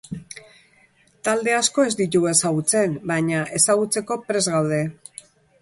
Talde asko ez ditugu ezagutzen, baina ezagutzeko prest gaude.